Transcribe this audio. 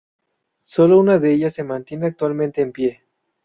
Sólo una de ellas se mantiene actualmente en pie.